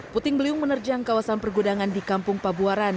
puting beliung menerjang kawasan pergudangan di kampung pabuaran